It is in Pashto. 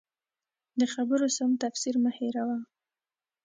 د خبرو سم تفسیر مه هېروه.